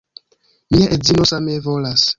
Mia edzino same volas.